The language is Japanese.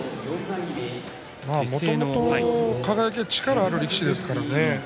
もともと輝は力がある力士ですからね。